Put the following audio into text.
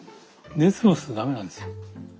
熱持つと駄目なんですよ。